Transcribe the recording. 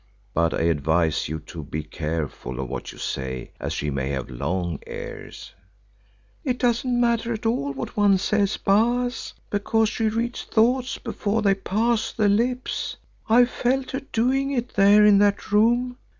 But I advise you to be careful of what you say as she may have long ears." "It doesn't matter at all what one says, Baas, because she reads thoughts before they pass the lips. I felt her doing it there in that room.